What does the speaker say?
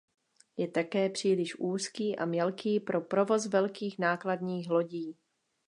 Je také příliš úzký a mělký pro provoz velkých nákladních lodí.